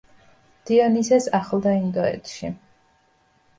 დიონისეს ახლდა ინდოეთში.